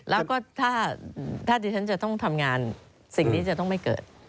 แล้วก็ถ้าดิฉันจะต้องทำงานสิ่งนี้จะต้องไม่เกิด